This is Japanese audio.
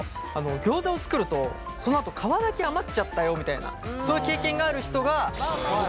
ギョーザを作るとそのあと皮だけ余っちゃったよみたいなそういう経験がある人が６９．５％。